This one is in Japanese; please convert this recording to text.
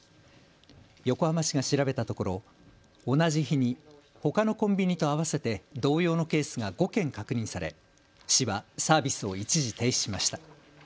横浜市が調べたところ同じ日にほかのコンビニと合わせて同様のケースが５件確認され、市はサービスを一時停止しました。